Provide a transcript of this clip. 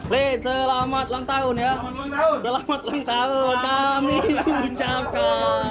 with selamat ulang tahun ya selamat ulang tahun kami ucapkan